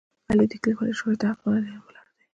علي د کلیوالو شخړې ته حق حیران ولاړ دی.